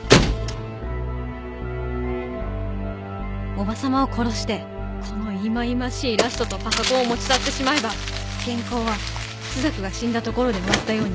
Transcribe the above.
叔母様を殺してこのいまいましいラストとパソコンを持ち去ってしまえば原稿は朱雀が死んだところで終わったように見える。